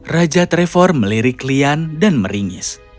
raja trevor melirik lian dan meringis